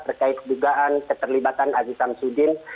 terkait dugaan keterlibatan aziz samsudin